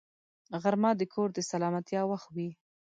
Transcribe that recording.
غرمه د کور د سلامتیا وخت وي